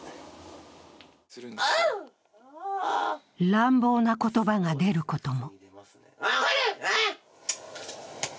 乱暴な言葉が出ることも。